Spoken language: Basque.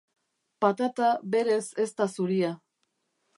Patata berez ez da zuria.